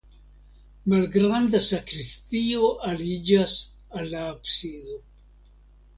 Malgranda sakristio aliĝas al la absido.